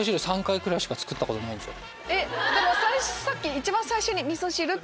でもさっき。